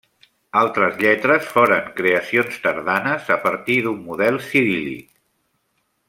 Altres lletres foren creacions tardanes a partir d'un model ciríl·lic.